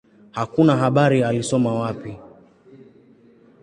Hakuna habari alisoma wapi.